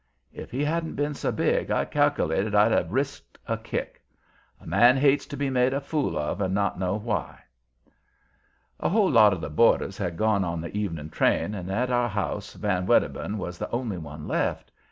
If he hadn't been so big I cal'lated I'd have risked a kick. A man hates to be made a fool of and not know why. A whole lot of the boarders had gone on the evening train, and at our house Van Wedderburn was the only one left.